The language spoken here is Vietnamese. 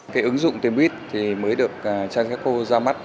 cái ứng dụng tìm buýt mới được trang sát khô ra mắt